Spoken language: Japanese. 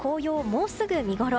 もうすぐ見頃。